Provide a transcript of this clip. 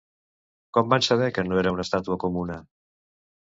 Com van saber que no era una estàtua comuna?